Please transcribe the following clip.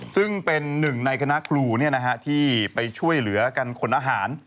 ซึ่งเป็นหนึ่งในคณะครูที่ไปช่วยเหลือกันขนอาหาร